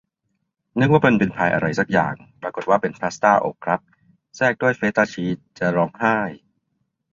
นึกว่ามันเป็นพายอะไรซักอย่าง ปรากฏว่าเป็นพาสต้าอบครับ แทรกด้วยเฟตต้าชีส จะร้องไห้